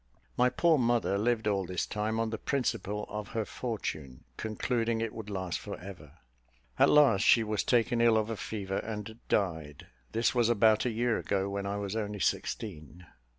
My poor mother lived all this time on the principal of her fortune, concluding it would last for ever. At last she was taken ill of a fever, and died. This was about a year ago, when I was only sixteen.